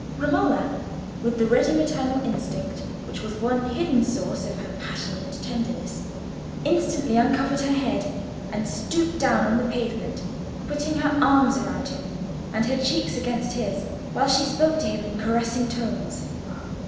Romola, with the ready maternal instinct which was one hidden source of her passionate tenderness, instantly uncovered her head, and, stooping down on the pavement, put her arms round him, and her cheeks against his, while she spoke to him in caressing tones.